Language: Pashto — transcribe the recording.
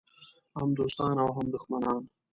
هم دوستان او هم دښمنان.